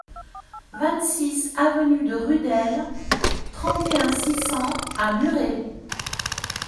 vingt-six avenue de Rudelle, trente et un, six cents à Muret